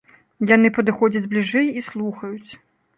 Яны падыходзяць бліжэй і слухаюць.